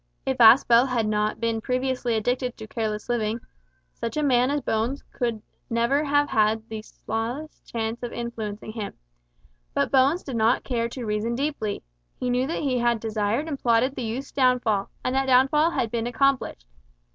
If Aspel had not been previously addicted to careless living, such a man as Bones never could have had the smallest chance of influencing him. But Bones did not care to reason deeply. He knew that he had desired and plotted the youth's downfall, and that downfall had been accomplished.